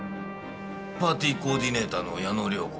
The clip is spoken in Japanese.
パーティーコーディネーターの矢野涼子。